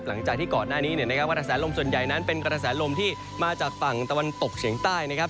หลังจากที่ก่อนหน้านี้เนี่ยนะครับว่ากระแสลมส่วนใหญ่นั้นเป็นกระแสลมที่มาจากฝั่งตะวันตกเฉียงใต้นะครับ